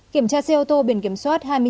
kiểm tra xe ô tô biển kiểm soát